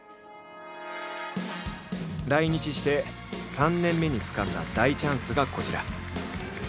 来日して３年目につかんだ大チャンスがこちら。